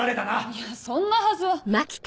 いやそんなはずは。